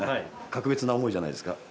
格別な思いじゃないですか？